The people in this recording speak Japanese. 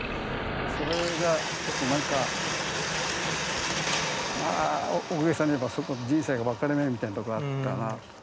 それが一つ何かまあ大げさに言えばそこ人生の分かれ目みたいなとこあったな。